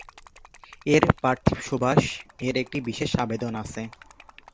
এর "পার্থিব সুবাস" এর একটি বিশেষ আবেদন আছে।